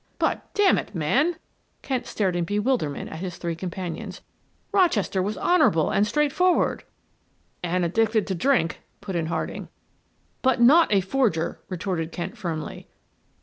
"But, d mn it, man!" Kent stared in bewilderment at his three companions. "Rochester was honorable and straight forward " "And addicted to drink," put in Harding. "But not a forger," retorted Kent firmly.